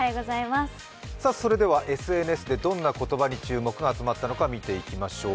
それではＳＮＳでどんな言葉に注目が集まったのか見ていきましょう。